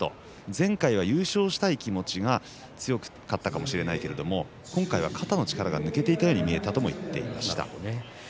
前回は優勝したい気持ちが強かったかもしれないけれども今回は肩の力が抜けたようにも見えたと言っていました。